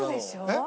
えっ？